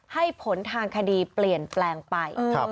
ให้ผลทางคดีเปลี่ยนแปลงไป